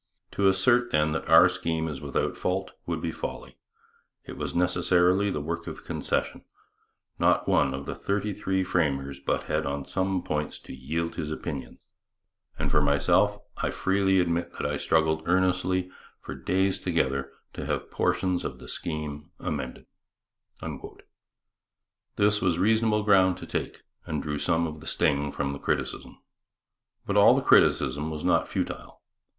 To assert then that our scheme is without fault, would be folly. It was necessarily the work of concession; not one of the thirty three framers but had on some points to yield his opinions; and, for myself, I freely admit that I struggled earnestly, for days together, to have portions of the scheme amended. This was reasonable ground to take and drew some of the sting from the criticism. But all the criticism was not futile.